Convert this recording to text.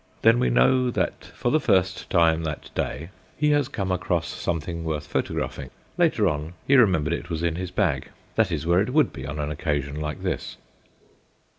then we know that for the first time that day he has come across something worth photographing. Later on, he remembered it was in his bag; that is where it would be on an occasion like this.